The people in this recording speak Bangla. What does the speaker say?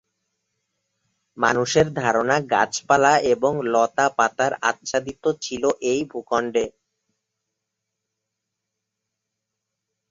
মানুষের ধারণা গাছপালা এবং লতা পাতার আচ্ছাদিত ছিল এই ভূখণ্ডে।